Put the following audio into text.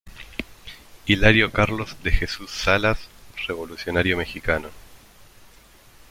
Hilario Carlos de Jesús Salas -Revolucionario mexicano-.